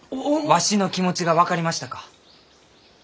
わしの気持ちが分かりましたか？